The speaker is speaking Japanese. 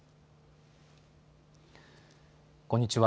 こんにちは。